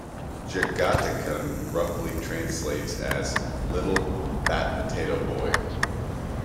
Jagata-kun roughly translates as, "little, fat potato boy".